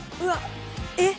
えっ！？